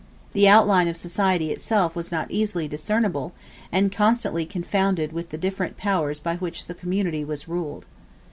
The outline of society itself was not easily discernible, and constantly confounded with the different powers by which the community was ruled.